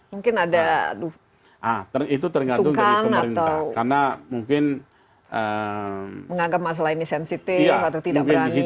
mungkin ada sukan atau mengagumkan masalah ini sensitif atau tidak berani